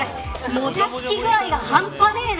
もじゃつき具合が半端ねえな。